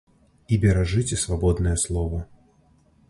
І беражыце свабоднае слова!